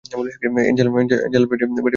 অ্যাঞ্জেলার বেডে কে শুয়ে আছে?